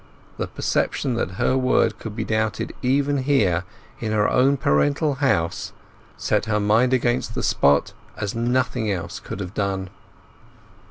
The perception that her word could be doubted even here, in her own parental house, set her mind against the spot as nothing else could have done.